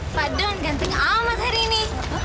pak don ganteng amat hari ini